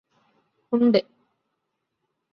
ഉണ്ട്